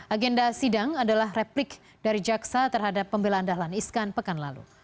agenda sidang adalah replik dari jaksa terhadap pembelaan dahlan iskan pekan lalu